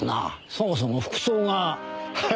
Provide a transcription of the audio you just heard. そもそも服装が。